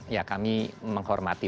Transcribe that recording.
ya kami menghormati